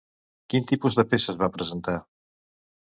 Quin tipus de peces va presentar?